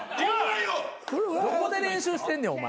どこで練習してんねんお前。